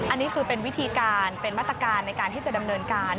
อันนี้คือเป็นวิธีการเป็นมาตรการในการที่จะดำเนินการ